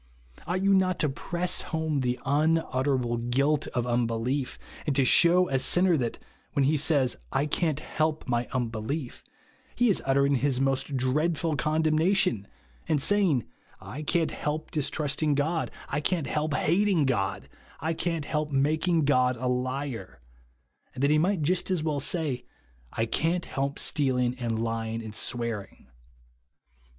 Ought you not to press home the unutter able guilt of unbelief ; and to shew a sin ner that, when he says I can't help my un belief, he is uttering his most dreadful con demnation, and saying, I can't hel}) distrust 128 BELIEVE JUST NOW. ing God, I can't help hating God, 1 can't help making God a liar ; and that he miglit just as well say, I can't help stealing, and lying, and swearing.